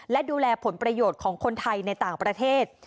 และดูแลผลประโยชน์ของคนไทยในต่างประเทศ